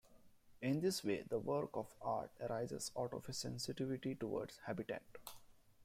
In this way the work of art arises out of a sensitivity towards habitat.